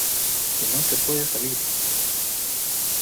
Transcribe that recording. ¡ que no se puede salir!